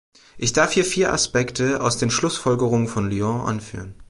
Ich darf hier vier Aspekte aus den Schlussfolgerungen von Lyon anführen.